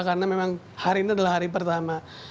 karena memang hari ini adalah hari pertama